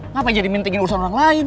ngapain jadi mentengin urusan orang lain